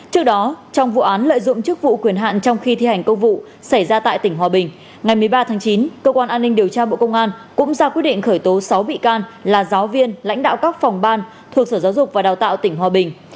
trước đó trong vụ án lợi dụng chức vụ quyền hạn trong khi thi hành công vụ xảy ra tại tỉnh hòa bình ngày một mươi ba tháng chín cơ quan an ninh điều tra bộ công an cũng ra quyết định khởi tố sáu bị can là giáo viên lãnh đạo các phòng ban thuộc sở giáo dục và đào tạo tỉnh hòa bình